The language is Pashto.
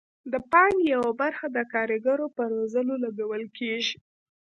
د پانګې یوه برخه د کارګرو په روزلو لګول کیږي.